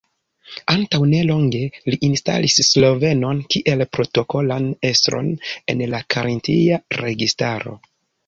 Antaŭ nelonge li instalis slovenon kiel protokolan estron en la karintia registaro.